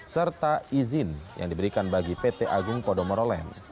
serta izin yang diberikan bagi pt agung podomoroleh